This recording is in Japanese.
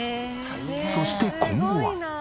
そして今後は。